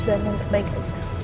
dengan yang terbaik aja